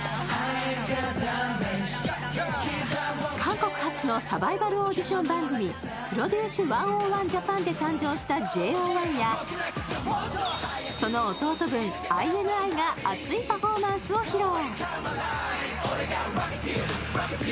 韓国発のサバイバルオーディション番組、「ＰＲＯＤＵＣＥ１０１ＪＡＰＡＮ」で誕生したＪＯ１やその弟分ＩＮＩが熱いパフォーマンスを披露。